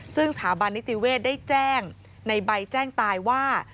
ซึ่งสถาบันนิติเวศได้แจ้งในใบแจ้งตายว่า